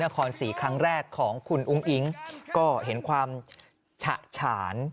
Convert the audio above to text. ครศรีครั้งแรกของคุณอุ้งอิ๊งก็เห็นความฉะฉาน